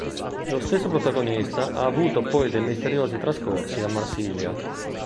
Lo stesso protagonista ha avuto poi dei misteriosi trascorsi a Marsiglia...